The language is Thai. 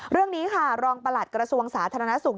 เรื่องนี้ค่ะรองประหลัดกระทรวงสาธารณสุข